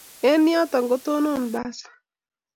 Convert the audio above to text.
Eng' yoto kotonon pasit.